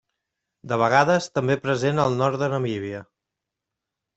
De vegades, també present al nord de Namíbia.